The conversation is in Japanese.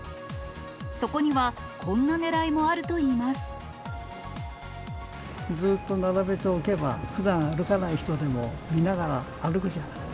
そこにはこんなねらいもあるといずっと並べておけば、ふだん歩かない人でも、見ながら歩くじゃない。